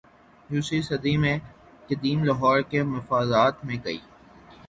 یسویں صدی میں قدیم لاہور کے مضافات میں کئی